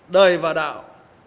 đời và đạo